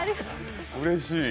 うれしい。